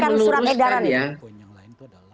mengeluarkan surat edaran itu